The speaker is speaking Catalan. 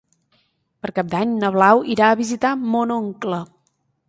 Per Cap d'Any na Blau irà a visitar mon oncle.